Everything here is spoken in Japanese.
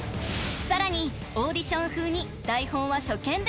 ［さらにオーディション風に］